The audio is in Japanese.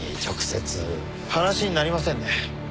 話になりませんね。